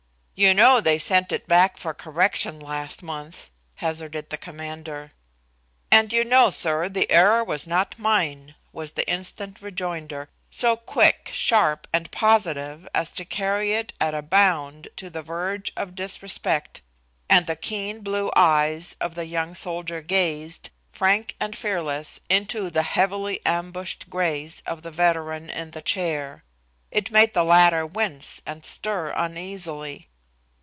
"You know they sent it back for correction last month," hazarded the commander. "And you know, sir, the error was not mine," was the instant rejoinder, so quick, sharp and positive as to carry it at a bound to the verge of disrespect, and the keen, blue eyes of the young soldier gazed, frank and fearless, into the heavily ambushed grays of the veteran in the chair. It made the latter wince and stir uneasily.